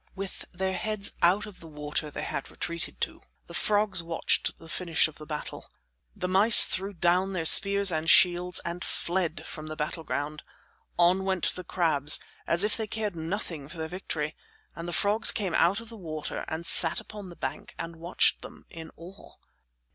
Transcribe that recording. With their heads out of the water they had retreated to, the frogs watched the finish of the battle. The mice threw down their spears and shields and fled from the battleground. On went the crabs as if they cared nothing for their victory, and the frogs came out of the water and sat upon the bank and watched them in awe.